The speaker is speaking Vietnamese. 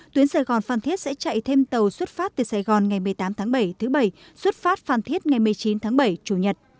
tuyến sài gòn phan thiết sẽ chạy thêm tàu xuất phát từ sài gòn ngày một mươi tám tháng bảy thứ bảy xuất phát phan thiết ngày một mươi chín tháng bảy chủ nhật